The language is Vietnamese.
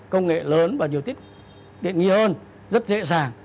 công nghệ lớn và nhiều tiết điện nghi hơn rất dễ dàng